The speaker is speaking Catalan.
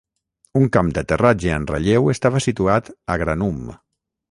Un camp d'aterratge en relleu estava situat a Granum.